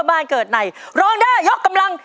โดยการแข่งขาวของทีมเด็กเสียงดีจำนวนสองทีม